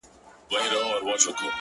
او په گوتو کي يې سپين سگريټ نيولی،